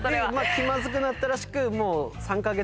気まずくなったらしく。